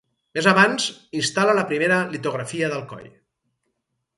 Més abans instal·la la primera litografia d'Alcoi.